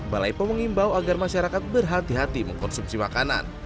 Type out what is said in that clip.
balai pemengimbau agar masyarakat berhati hati mengkonsumsi makanan